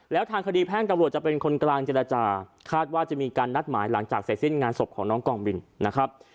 แล้วทางคดีแพ่งตำรวจจะเป็นคนกลางเจรจาคาดว่าจะมีการนัดหมายหลังจากเสร็จสิ้นงานศพของน้องกองบินนะครับ